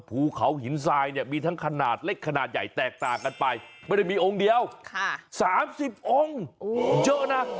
ภูเขาหินทรายเนี่ยมีทั้งขนาดเล็กขนาดใหญ่แตกต่างกันไปไม่ได้มีองค์เดียว๓๐องค์เยอะนะ